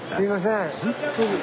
すいません。